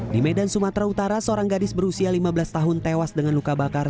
di medan sumatera utara seorang gadis berusia lima belas tahun tewas dengan luka bakar